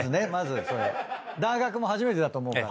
だーがくも初めてだと思うから。